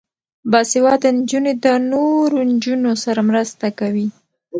باسواده نجونې د نورو نجونو سره مرسته کوي.